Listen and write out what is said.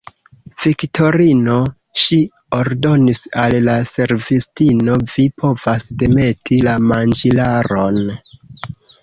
Viktorino, ŝi ordonis al la servistino, vi povas demeti la manĝilaron.